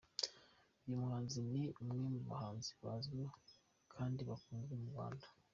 Uyu muhanzi ni umwe mu bahanzi bazwi kandi bakunzwe mu Rwanda.